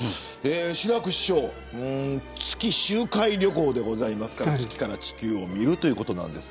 志らく師匠、月周回旅行ですけど月から地球を見るということです。